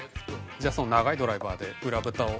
じゃあその長いドライバーで裏蓋を。